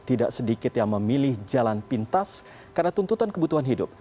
tidak sedikit yang memilih jalan pintas karena tuntutan kebutuhan hidup